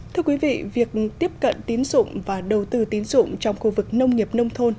thưa quý vị việc tiếp cận tín dụng và đầu tư tín dụng trong khu vực nông nghiệp nông thôn